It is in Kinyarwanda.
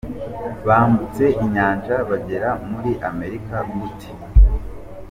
Bambutse inyanja bagera muri Amerika gute?.